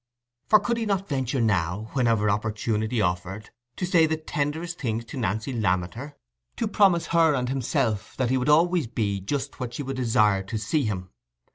For could he not venture now, whenever opportunity offered, to say the tenderest things to Nancy Lammeter—to promise her and himself that he would always be just what she would desire to see him?